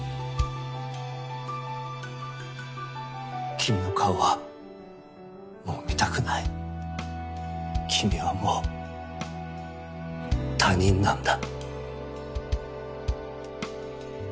君の顔はもう見たくない君はもう他人なんだ。